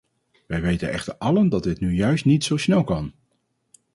Wij weten echter allen dat dit nu juist niet zo snel kan.